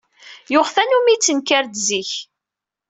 Yuɣ tanumi yettenkar-d zik.